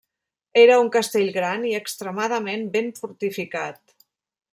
Era un castell gran i extremadament ben fortificat.